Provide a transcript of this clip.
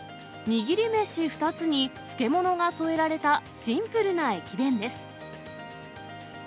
握り飯２つに、漬物が添えられた、シンプルな駅弁です。